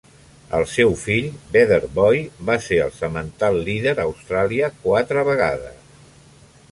El seu fill, Better Boy, va ser el semental líder a Austràlia quatre vegades.